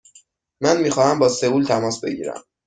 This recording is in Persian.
من می خواهم با سئول تماس بگیرم.